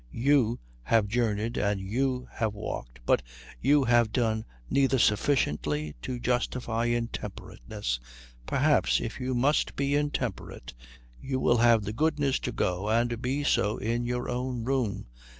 You have journeyed and you have walked, but you have done neither sufficiently to justify intemperateness. Perhaps, if you must be intemperate, you will have the goodness to go and be so in your own room.